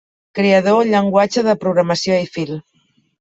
Creador el llenguatge de programació Eiffel.